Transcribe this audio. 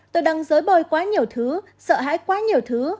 tôi đang giới bời quá nhiều thứ sợ hãi quá nhiều thứ